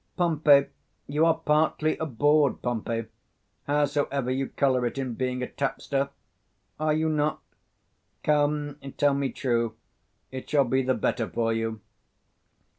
Pompey, you are partly a bawd, Pompey, howsoever you colour it in being a tapster, are you not? come, tell me true: it shall be the better for you.